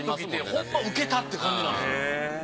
ほんまウケたって感じなんですよ。